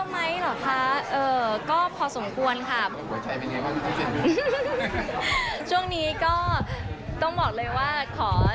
มีความสุขเยอะมั้ยค่ะ